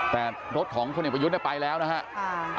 แต่รถของทุกคนเนี่ยไปยุดได้ไปแล้วนะฮะอ่า